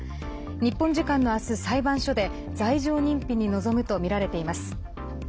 日本時間の明日、裁判所で罪状認否に臨むとみられています。